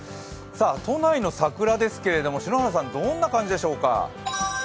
都内の桜ですけれども、どんな感じでしょうか？